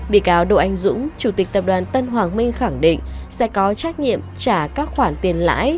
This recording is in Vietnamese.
bị cáo độ anh dũng chủ tịch tập đoàn tân hoàng minh khẳng định sẽ có trách nhiệm trả các khoản tiền lãi